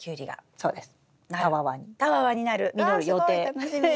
そうですね。